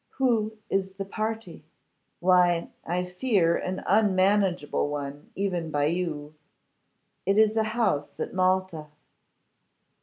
'Who is the party?' 'Why, I fear an unmanageable one, even by you. It is a house at Malta.